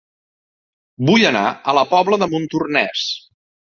Vull anar a La Pobla de Montornès